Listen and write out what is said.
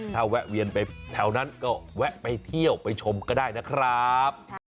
ถ้าแวะเวียนไปแถวนั้นก็แวะไปเที่ยวไปชมก็ได้นะครับ